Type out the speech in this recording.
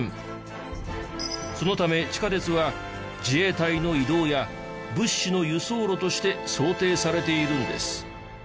そのため地下鉄は自衛隊の移動や物資の輸送路として想定されているんです。